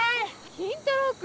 金太郎君。